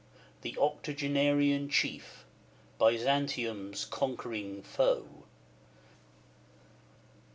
The octogenarian chief, Byzantium's conquering foe.